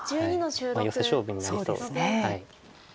ヨセ勝負になりそうです。